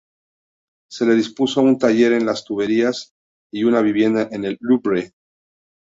Se le dispuso un taller en las Tullerías y una vivienda en el Louvre.